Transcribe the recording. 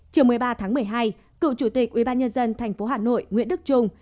chiều một mươi ba tháng một mươi hai cựu chủ tịch ubnd thành phố hà nội nguyễn đức trung